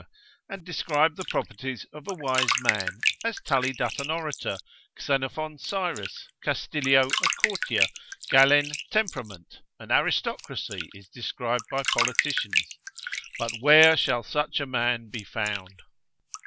and describe the properties of a wise man, as Tully doth an orator, Xenophon Cyrus, Castilio a courtier, Galen temperament, an aristocracy is described by politicians. But where shall such a man be found?